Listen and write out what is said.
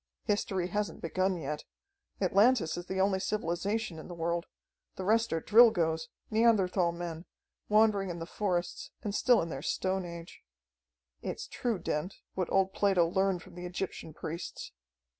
History hasn't begun yet. Atlantis is the only civilization in the world. The rest are Drilgoes, Neanderthal men, wandering in the forests, and still in their stone age. "It's true, Dent, what old Plato learned from the Egyptian priests.